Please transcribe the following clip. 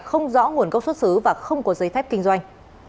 không rõ nguồn gốc xuất xứ và không có giấy phép kinh doanh